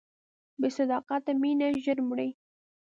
بې صداقته مینه ژر مري.